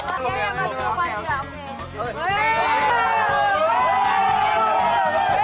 agusti apa kembar